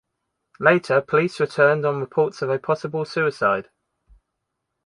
Later, police returned on reports of a possible suicide.